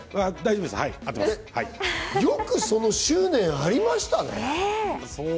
よく執念ありましたね。